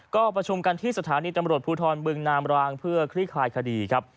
ก็ประชุมกันที่สถานีตำรวจภูทรบึงนามรางเพื่อคลี่คลายคดีครับ